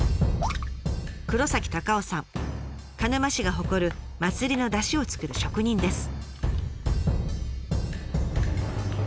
鹿沼市が誇る祭りの山車を作る職人です。